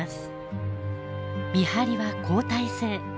見張りは交代制。